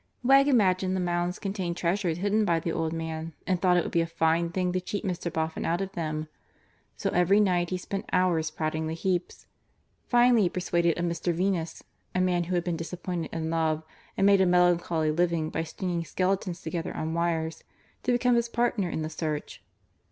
Wegg imagined the mounds contained treasures hidden by the old man and thought it would be a fine thing to cheat Mr. Boffin out of them. So every night he spent hours prodding the heaps. Finally he persuaded a Mr. Venus (a man who had been disappointed in love and made a melancholy living by stringing skeletons together on wires), to become his partner in the search.